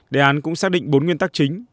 đề án cũng xác định bốn nguyên tắc chính